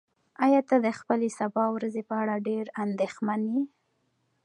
ایا ته د خپلې سبا ورځې په اړه ډېر اندېښمن یې؟